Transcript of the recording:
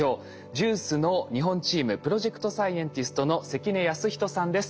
ＪＵＩＣＥの日本チームプロジェクトサイエンティストの関根康人さんです。